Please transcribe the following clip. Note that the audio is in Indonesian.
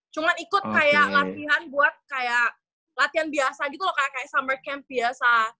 cuma ikut kayak latihan buat kayak latihan biasa gitu loh kayak summer camp biasa